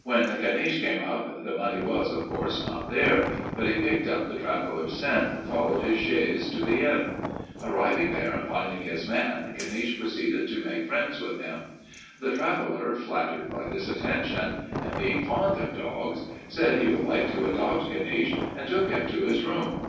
"When Caniche came up the money was, of course, not there, but he picked up the traveler's scent and followed his chaise to the inn. Arriving there and finding his man, Caniche proceeded to make friends with him. The traveler, flattered by this attention, and being fond of dogs, said he would like to adopt Caniche, and took him to his room.